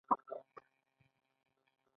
ناوړه خبرې کرکه پیدا کوي